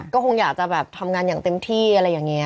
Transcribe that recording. ก็คงอยากจะแบบทำงานอย่างเต็มที่อะไรอย่างนี้